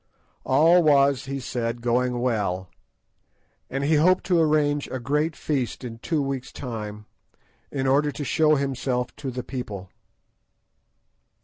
All was, he said, going well; and he hoped to arrange a great feast in two weeks' time in order to show himself to the people.